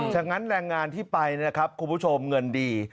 ฉะนั้นแรงงานที่ไปนะครับคุณผู้ชมเงินดี